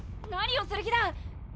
何をする気だ！